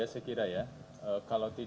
jadi kita akan melakukan yang di sini